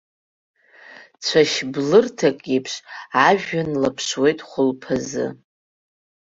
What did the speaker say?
Цәашь блырҭак еиԥш ажәҩан лаԥшуеит хәылԥазы.